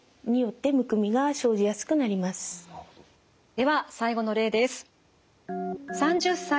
では最後の例です。